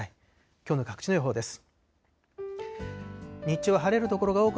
きょうの各地の予報です。